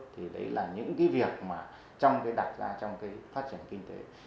thì đấy là những việc đặt ra trong phát triển kinh tế